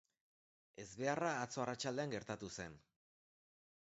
Ezbeharra atzo arratsaldean gertatu zen.